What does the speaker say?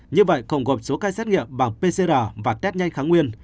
như vậy khổng gọp số ca xét nghiệm bằng pcr và test nhanh kháng nguyên